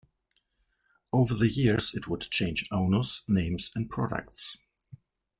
Over the years it would change owners, names and products.